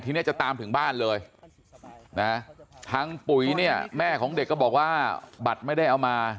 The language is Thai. ทีนี้จะตามถึงบ้านเลยนะทางปุ๋ยเนี่ยแม่ของเด็กก็บอกว่าบัตรไม่ได้เอามา